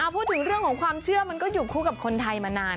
พูดถึงเรื่องของความเชื่อมันก็อยู่คู่กับคนไทยมานาน